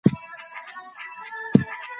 غاښونه برس کړئ.